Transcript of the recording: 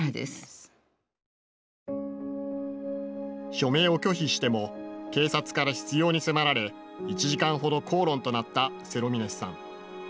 署名を拒否しても警察から執ように迫られ１時間ほど口論となったセロミネスさん。